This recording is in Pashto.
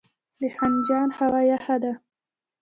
د خنجان هوا یخه ده